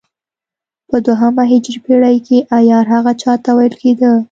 په دوهمه هجري پېړۍ کې عیار هغه چا ته ویل کېده.